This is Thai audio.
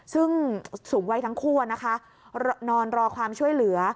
ซึ่งสูงวัยทั้งคู่นะคะนอนรอความช่วยเหลือ